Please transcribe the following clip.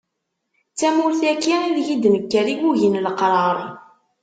D tamurt-aki I deg i d nekker, i yugin leqrar.